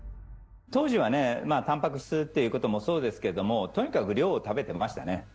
当時はね、タンパク質っていうこともそうですけれども、とにかく量を食べてましたね。